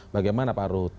bagaimana pak arief